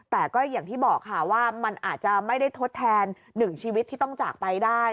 แต่ก็อย่างที่บอกค่ะว่ามันอาจจะไม่ได้ทดแทนหนึ่งชีวิตที่ต้องจากไปได้